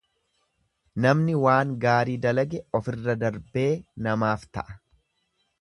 Namni waan gaarii dalage ofirra darbee namaaf ta'a.